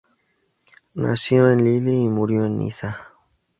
Nació en Lille y murió en Niza.